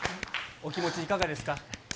お気持ち、いかがですか。